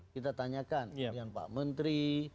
kita tanyakan dengan pak menteri